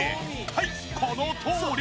はいこのとおり！